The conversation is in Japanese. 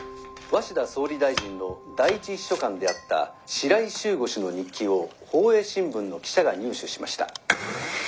鷲田総理大臣の第一秘書官であった白井柊吾氏の日記を報栄新聞の記者が入手しました。